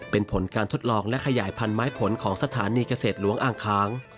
เป็นผลการทดลองและขยายพันธุไม้ผลของสถานีเกษตรหลวงอ่างค้าง